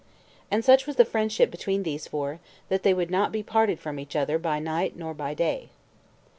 And such was the friendship between these four, that they would not be parted from each other by night nor by day.